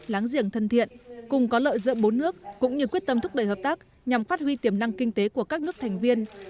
láng giềng thân thiện cùng có lợi giữa bốn nước cũng như quyết tâm thúc đẩy hợp tác nhằm phát huy tiềm năng kinh tế của các nước thành viên